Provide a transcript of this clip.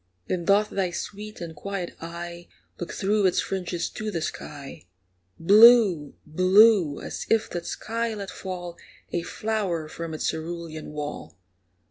Then doth thy sweet and quiet eye Look through its fringes to the sky, Blue blue as if that sky let fall A flower from its cerulean wall.